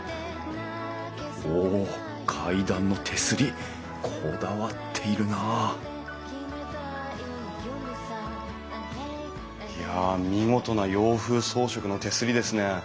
おっ階段の手すりこだわっているないや見事な洋風装飾の手すりですね。